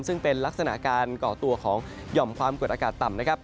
ซึ่งเป็นลักษณะการก่อตัวของหย่อมความกดอากาศต่ำนะครับ